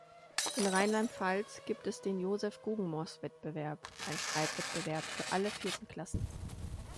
In Rheinland-Pfalz gibt es den Josef-Guggenmos-Wettbewerb, einen Schreib-Wettbewerb für alle vierten Klassen.